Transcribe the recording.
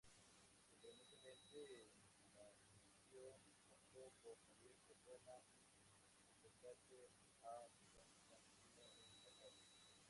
Sorprendentemente, Majencio optó por salir de Roma y enfrentarse a Constantino en batalla.